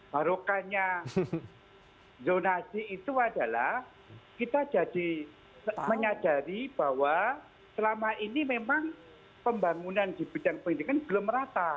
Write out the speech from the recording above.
barokannya zonasi itu adalah kita jadi menyadari bahwa selama ini memang pembangunan di bidang pendidikan belum rata